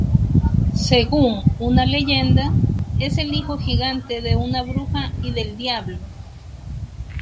Según una leyenda, es el hijo gigante de una bruja y del diablo.